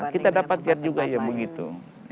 kita dapat lihat juga ya begitu